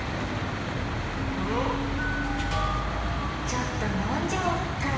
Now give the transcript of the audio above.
ちょっとのんじゃおっか！